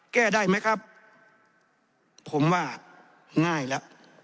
แก้ได้ไหมครับผมว่าง่ายแล้ว